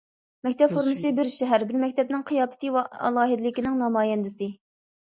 مەكتەپ فورمىسى بىر شەھەر، بىر مەكتەپنىڭ قىياپىتى ۋە ئالاھىدىلىكىنىڭ نامايەندىسى.